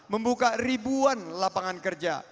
membuka ribuan lapangan kerja